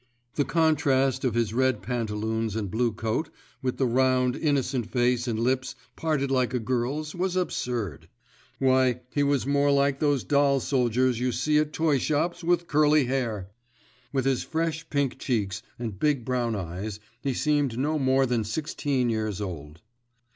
The contrast of his red pantaloons and blue coat with the round, innocent face and lips parted like a girl's was absurd. Why, he was more like those doll soldiers you see at toyshops with curly hair! With his fresh pink cheeks and big brown eyes he seemed no more than sixteen years old.